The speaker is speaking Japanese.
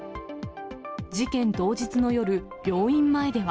事件当日の夜、病院前では。